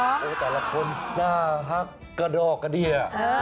โอ้โหแต่ละคนน่ารักกระดอกกระเดีย